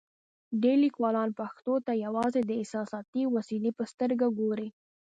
ډېری لیکوالان پښتو ته یوازې د احساساتي وسیلې په سترګه ګوري.